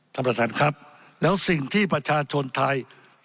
ท่านประธานครับแล้วสิ่งที่ประชาชนไทย